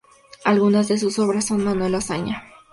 Algunas de sus obras son "Manuel Azaña.